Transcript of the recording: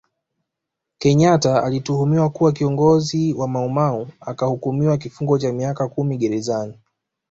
Kenyatta alituhumiwa kuwa kiongozi wa maumau akahukumiwa kifungo cha miaka kumi gerezani